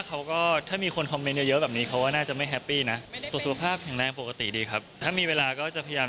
ค่ะมันนี่จ๊ะสวยไปก็ไม่ได้